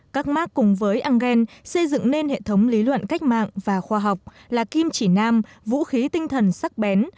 các mark cùng với engel xây dựng nên hệ thống lý luận cách mạng và khoa học là kim chỉ nam vũ khí tinh thần sắc bén